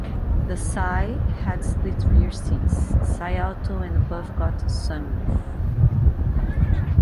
The Si had split rear seats, Si Auto and above got a sunroof.